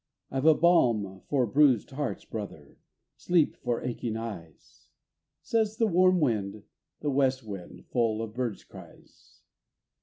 I've a balm for bruised hearts, brother, sleep for aching eyes," Says the warm wind, the west wind, full of birds' cries.